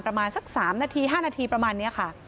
ประมาณสัก๓นาที๕นาทีประมาณนี้ค่ะ